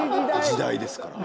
時代ですから。